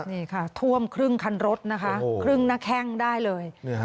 นี่ค่ะท่วมครึ่งคันรถนะคะครึ่งหน้าแข้งได้เลย